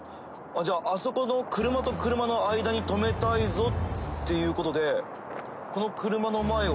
じゃああそこの車と車の間に止めたいぞっていうことでこの車の前を通過します。